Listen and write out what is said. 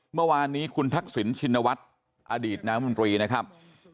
เมื่อวานนี้คุณทักษิณชินวัฒน์อดีตน้ำมนตรีนะครับ